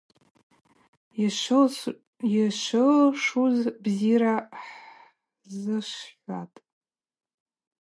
Йшвылшуз бзира хӏзышвхатӏ.